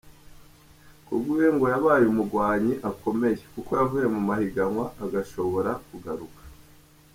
Ku bwiwe ngo yabaye umugwanyi akomeye, kuko yavuye mu mahiganwa agashobora kugaruka.